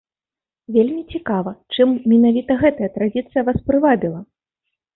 Вельмі цікава, чым менавіта гэтая традыцыя вас прывабіла?